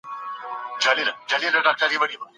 سر او کار لرل د تجربې د ترلاسه کولو لامل کیږي.